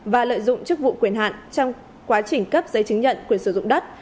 và lợi dụng chức vụ quyền hạn trong quá trình cấp giấy chứng nhận quyền sử dụng đất